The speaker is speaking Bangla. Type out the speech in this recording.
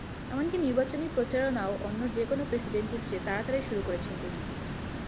এমনকি নির্বাচনী প্রচারণাও অন্য যেকোনো প্রেসিডেন্টের চেয়ে তাড়াতাড়ি শুরু করেছেন তিনি।